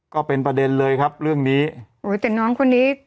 ก็เป็นประเด็นเลยครับเรื่องนี้โอ้ยแต่น้องคนนี้